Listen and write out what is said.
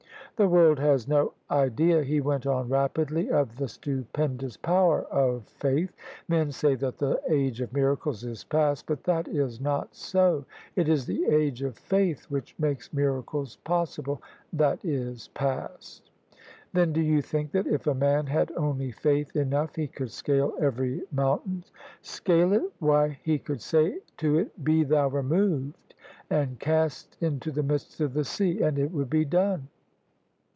" The world has no idea," he went on rapidly, " of the stupendous power of faith. Men say that the age of miracles IS past, but that is not so^it is the age of faith which makes miracles possible that is past." " Then do you think that if a man had only faith enough he could scale every mountain? "" Scale it? Why he could say to it. Be thou removed and cast into the midst of the sea: and it would be done.